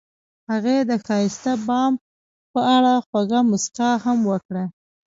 هغې د ښایسته بام په اړه خوږه موسکا هم وکړه.